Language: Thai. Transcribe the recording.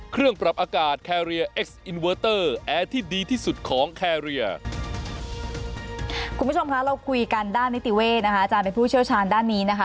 คุณผู้ชมคะเราคุยกันด้านนิติเวศนะคะอาจารย์เป็นผู้เชี่ยวชาญด้านนี้นะคะ